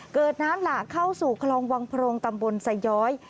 เกิดน้ำหลากเข้าสู่คลองวังโพรงตำบลสย้อย